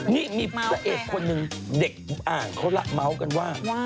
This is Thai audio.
นี่มีเมื่อเอกคนหนึ่งเด็กอ่านเค้าระเมาส์กันว่า